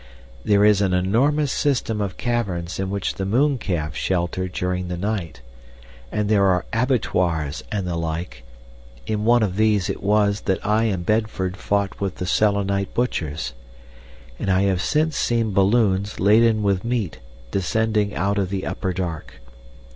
There is an enormous system of caverns in which the mooncalves shelter during the night; and there are abattoirs and the like—in one of these it was that I and Bedford fought with the Selenite butchers—and I have since seen balloons laden with meat descending out of the upper dark.